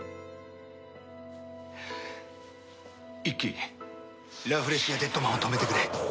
一輝ラフレシア・デッドマンを止めてくれ。